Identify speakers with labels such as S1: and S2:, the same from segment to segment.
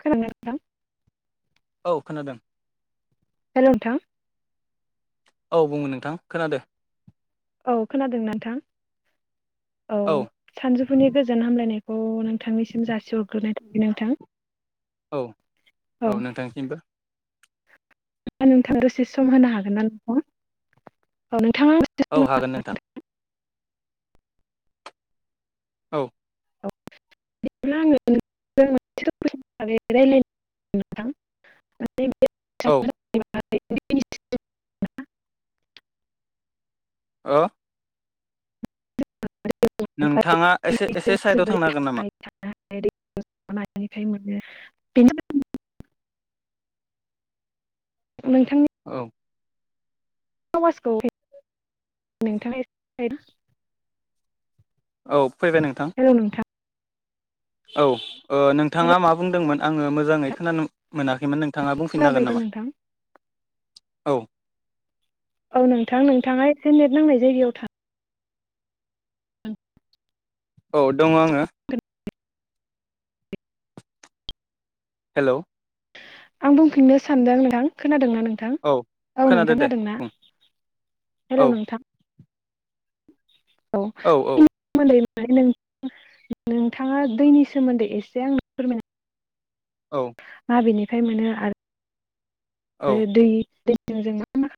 S1: खोनादोंना?
S2: औ खोनादों।
S1: हेलौ नोंथां।
S2: औ बुङो नोंथां खोनादों।
S1: औ खोनादों ना नोंथां औ सानजौफुनि गोजोन हामलायनाय खौ नोंथांनिसिम जासिहरग्रोनाय थाबाय नोंथां।
S2: औ औ नोंथांसिमबो।
S1: नोंथां दसे सम होनो हागोन ना नोंथां औ नों।
S2: औ हागोन नोंथां। औ।
S1: [unintelligible]
S2: औ
S1: [unintelligible]
S2: ओ। नोंथाङा एसे एसे साइदाव थांनो हागोन नामा?
S1: माने [unintelligible] [unintelligible]
S2: औ।
S1: समासखौ नोंथाङा एसे।
S2: औ फैबाय नोंथां
S1: हेल' नोंथां
S2: औ ओ
S1: हेल'
S2: नोंथाङा मा बुंदोंमोन? आंङो मोजांङै
S1: नोंथां
S2: खोनानो मोनाखैमोन नोंथाङा बुंफिननो हागोन
S1: खोनाबायदों
S2: नामा?
S1: नोंथां
S2: औ।
S1: औ नोंथां नोंथाङाय एसे नेट नांनाय जायगायाव थां।
S2: औ दङ आंङो। हेलौ।
S1: आं बुंफिननो सानदों नोंथां खोनादों नों? नोंथां औ
S2: खोनादो
S1: नोंथां
S2: दे
S1: खोनादोंना
S2: बुं औ
S1: हेलौ नोंथां।
S2: औ
S1: [unintelligible] माने नों नोंथाङा दैनि सोमोन्दै एसे आंनो फोरमायना
S2: औ।
S1: माबेनिफ्राय मोनो आरो
S2: औ
S1: आरो दै दैजों जों मा मा।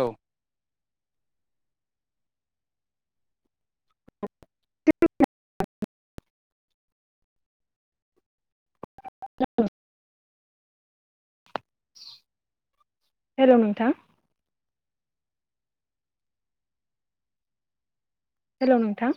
S2: औ। [inaudible]
S1: [unintelligible] हेलौ नोंथां। हेलौ नोंथां।